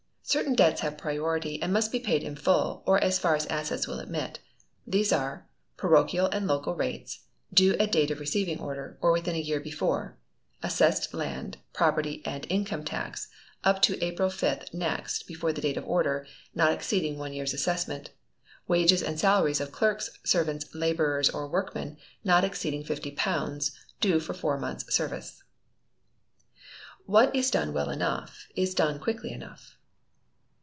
Certain debts have priority, and must be paid in full, or as far as assets will admit. These are parochial and local rates, due at date of receiving order, or within a year before; assessed land, property, and income tax, up to April 5th next before date of order, not exceeding one year's assessment; wages and salaries of clerks, servants, labourers, or workmen, not exceeding £50, due for four months' service. [WHAT IS DONE WELL ENOUGH, IS DONE QUICKLY ENOUGH.